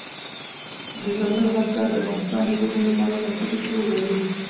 دځنګل حاصلات د افغانستان د ټولنې لپاره بنسټيز رول لري.